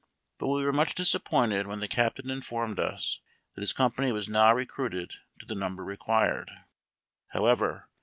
But we were much disappointed when the Captain informed us that his com pany was now recruited to the number required. However.